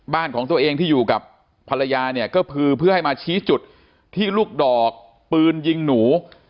บ้านของตัวเองที่อยู่กับภรรยาเนี่ยก็คือเพื่อให้มาชี้จุดที่ลูกดอกปืนยิงหนู